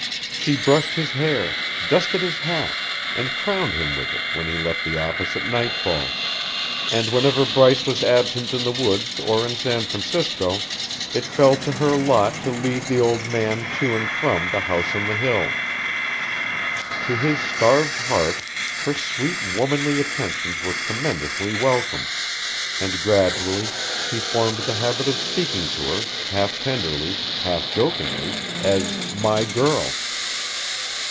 She brushed his hair, dusted his hat, and crowned him with it when he left the office at nightfall, and whenever Bryce was absent in the woods or in San Francisco, it fell to her lot to lead the old man to and from the house on the hill. To his starved heart her sweet womanly attentions were tremendously welcome, and gradually he formed the habit of speaking of her, half tenderly, half jokingly, as "my girl."